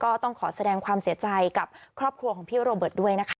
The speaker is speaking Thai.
ก็ต้องขอแสดงความเสียใจกับครอบครัวของพี่โรเบิร์ตด้วยนะคะ